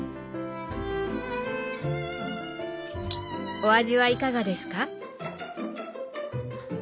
お味はいかがですか？